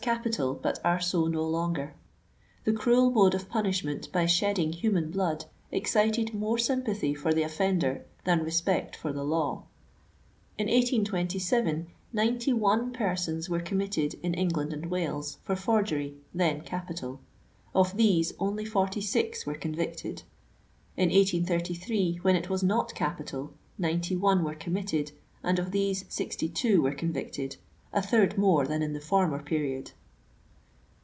51 capital but are so no longer The cruel mode of pu nishment by shedding human blood excited more aym pathy for the ofl^ender than respect for the law." In 18^ ninety one persons were committed in England and Wales for forgery, then capital. Of these, only forty six were convicted. In 18Sd, when it was not capital, ninety«one were committed* and of these, sixty two were convicted; — a third more than in the former period.